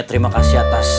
terima kasih atas